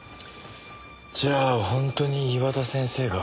じゃあ本当に岩田先生が。